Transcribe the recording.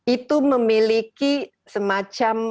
itu memiliki semacam